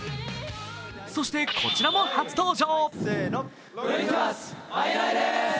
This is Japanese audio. そして、こちらも初登場。